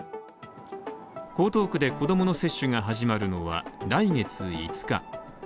江東区で子供の接種が始まるのは来月５日。